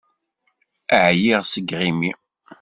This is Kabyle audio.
Ԑyiɣ seg yiɣimi.